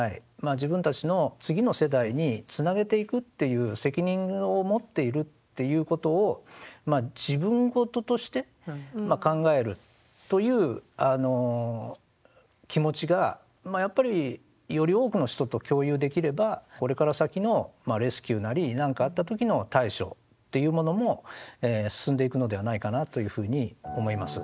自分たちの次の世代につなげていくっていう責任を持っているっていうことを自分事として考えるという気持ちがやっぱりより多くの人と共有できればこれから先のレスキューなり何かあった時の対処っていうものも進んでいくのではないかなというふうに思います。